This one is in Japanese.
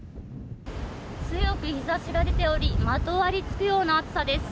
強く日差しが出ておりまとわりつくような暑さです。